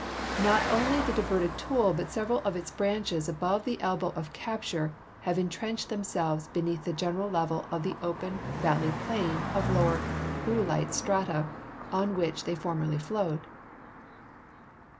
Not only the diverted Toul but several of its l)ranches above the elbow of capture have intrenched them selves beneath the "eneral level of the open valley plain of lower oblite strata on which they formerly flowed.